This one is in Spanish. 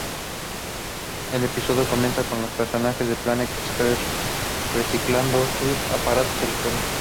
El episodio comienza con los personajes de Planet Express reciclando sus aparatos electrónicos.